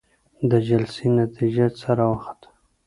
د جلسې نتيجه څه راوخته؟